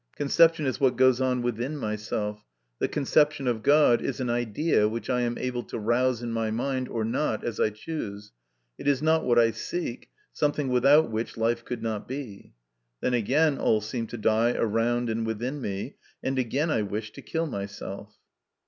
Conception is what goes on within myself ; the conception of God is an idea which I am able to rouse in my mind or not as I choose ; it is not what I seek, something without which life could not be." Then again all seemed to die around and within me, and again I wished to kill myself.